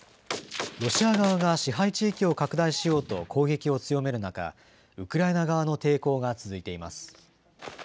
ロシア側が支配地域を拡大しようと、攻撃を強める中、ウクライナ側の抵抗が続いています。